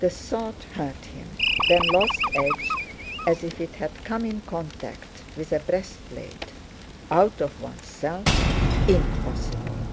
The thought hurt him, then lost edge, as if it had come in contact with a breastplate. Out of oneself! Impossible!